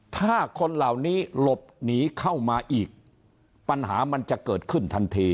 ถ้าคนเหล่านี้หลบหนีเข้ามาอีกปัญหามันจะเกิดขึ้นทันที